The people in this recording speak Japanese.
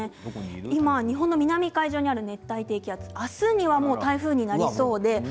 今、日本の南の海上にある熱帯低気圧が明日には台風になりそうです。